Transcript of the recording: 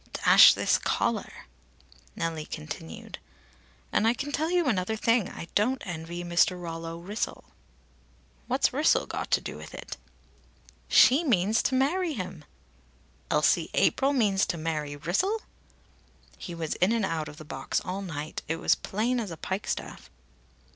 "Dash this collar!" Nellie continued: "And I can tell you another thing. I don't envy Mr. Rollo Wrissel." "What's Wrissel got to do with it?" "She means to marry him." "Elsie April means to marry Wrissel?" "He was in and out of the box all night. It was as plain as a pikestaff."